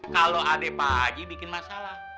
kalau adik pak haji bikin masalah